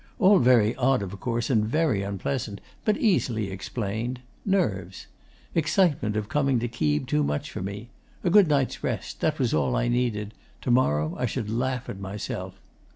All very odd, of course, and very unpleasant, but easily explained. Nerves. Excitement of coming to Keeb too much for me. A good night's rest: that was all I needed. To morrow I should laugh at myself.